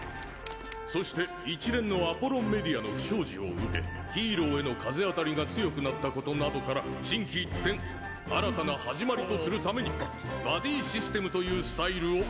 そして一連のアポロンメディアの不祥事を受けヒーローへの風当たりが強くなったことなどから心機一転新たな始まりとするためにバディシステムというスタイルを――。